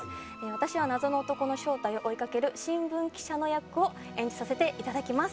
私は謎の男の正体を追いかける新聞記者の役を演じさせて頂きます。